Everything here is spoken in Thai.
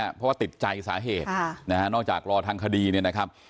เพราะว่าติดใจสาเหตุนะฮะนอกจากรอทางคดีเนี่ยนะครับ